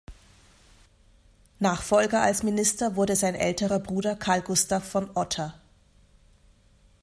Nachfolger als Minister wurde sein älterer Bruder Carl Gustav von Otter.